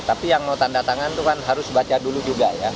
tapi yang mau tanda tangan itu kan harus baca dulu juga ya